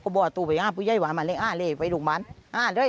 ก็บอกตัวไปอ้าวพูดไย้หวานมาเลยอ้าวเลยไปถูกบ้านอ้าวเลย